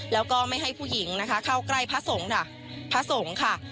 แล้วก็ไม่ให้ผู้หญิงนะคะเข้าใกล้พระสงฆ์ค่ะ